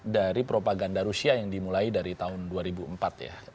dari propaganda rusia yang dimulai dari tahun dua ribu empat ya